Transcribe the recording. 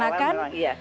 dari awal memang iya